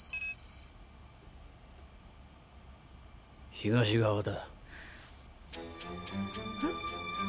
東側だ。